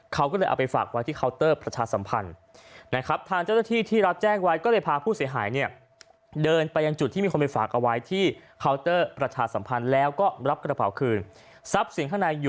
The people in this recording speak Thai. เขาก็เลยเอาไปฝากไว้ที่เคาน์เตอร์ประชาสัมพันธ์นะครับ